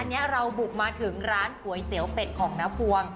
วันนี้เราบุกมาถึงร้านก๋วยเตี๋ยวเป็ดของน้าพวง